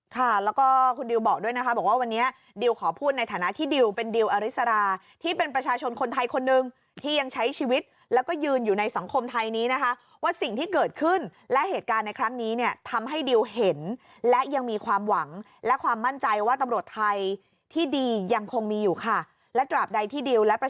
ค่ะแล้วก็คุณดิวบอกด้วยนะคะบอกว่าวันนี้ดิวขอพูดในฐานะที่ดิวเป็นดิวอริสราที่เป็นประชาชนคนไทยคนหนึ่งที่ยังใช้ชีวิตแล้วก็ยืนอยู่ในสังคมไทยนี้นะคะว่าสิ่งที่เกิดขึ้นและเหตุการณ์ในครั้งนี้เนี่ยทำให้ดิวเห็นและยังมีความหวังและความมั่นใจว่าตำรวจไทยที่ดียังคงมีอยู่ค่ะและตราบใดที่ดิวและประ